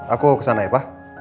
aku kesana ya pak